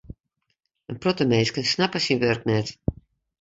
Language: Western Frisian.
In protte minsken snappe syn wurk net.